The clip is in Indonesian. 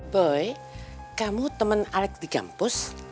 boy kamu teman alex di kampus